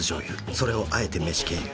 それをあえて飯経由。